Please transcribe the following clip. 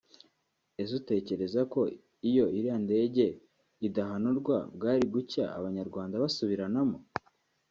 Ese utecyereza ko iyo iriya ndege idahanurwa bwari gucya abanyarwanda basubiranamo